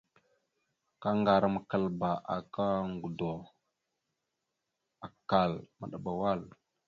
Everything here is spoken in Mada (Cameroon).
Kaŋgarəkaləba aka ŋgədo, akkal, maɗəba wal.